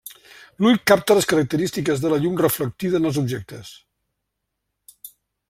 L'ull capta les característiques de la llum reflectida en els objectes.